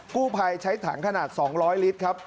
กู้ภัยใช้ถังขนาด๒๐๐ลิตรครับ